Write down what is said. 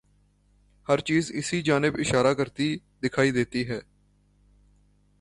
ہر چیز اسی جانب اشارہ کرتی دکھائی دیتی ہے۔